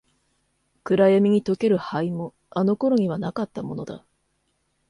暗闇に溶ける灰も、あの頃にはなかったものだ。